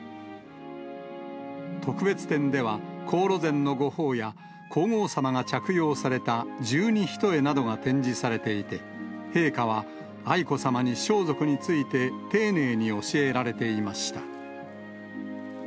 特別展では、黄櫨染御袍や、皇后さまが着用された十二ひとえなどが展示されていて、陛下は、愛子さまに装束について、丁寧に教えられていました。